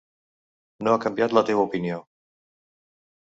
No ha canviat la teva opinió.